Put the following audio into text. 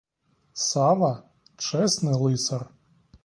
Сава — чесний лицар!